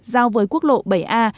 giao với quốc lộ bảy a